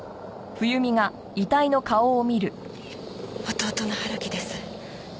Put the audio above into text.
弟の春樹です。